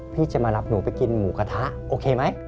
พี่จะมารับหนูไปกินหมูกระทะโอเคไหม